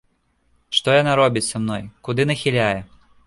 Што яна робіць са мной, куды нахіляе?